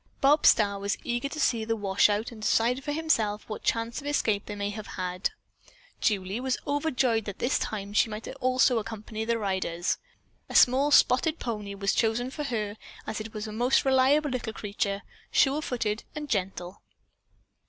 Bob Starr was eager to see the washout, and decide for himself what chance of escape they might have had. Julie was overjoyed that this time she also might accompany the riders. A small spotted pony was chosen for her, as it was a most reliable little creature sure footed and gentle.